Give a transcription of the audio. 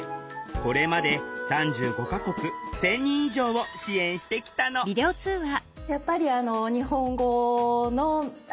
これまで３５か国１，０００人以上を支援してきたのそうか。